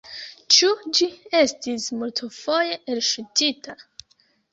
Ĉu ĝi estis multfoje elŝutita?